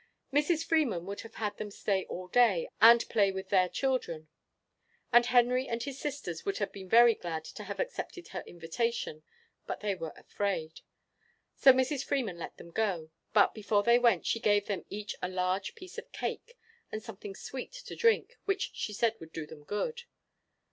Mrs. Freeman would have had them stay all day and play with their children; and Henry and his sisters would have been very glad to have accepted her invitation, but they were afraid: so Mrs. Freeman let them go; but, before they went, she gave them each a large piece of cake, and something sweet to drink, which she said would do them good.